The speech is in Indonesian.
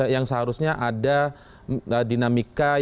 yang seharusnya ada dinamika